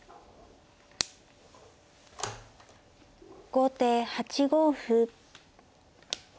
後手８五歩。